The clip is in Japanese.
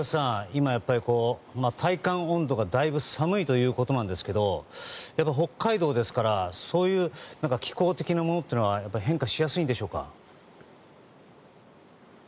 今、やっぱり体感温度がだいぶ寒いということですが北海道ですからそういう気候的なものは変化しやすいんでしょうか。